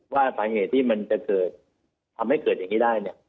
ว่าศาเงตที่มันจะทำให้เกิดอย่างนี้ได้